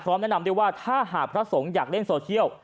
แนะนำด้วยว่าถ้าหากพระสงฆ์อยากเล่นโซเชียล